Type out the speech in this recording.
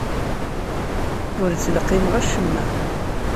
Ur ttleqqimeɣ acemma.